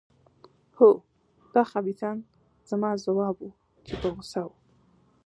هو، دا خبیثان. زما ځواب و، چې په غوسه وو.